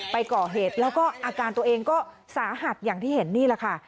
ไปก่อเหตุแล้วก็อาการตัวเองก็สาหัสอย่างที่เห็นนี่แหละค่ะ